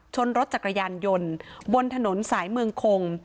รถจักรยานยนต์บนถนนสายเมืองคง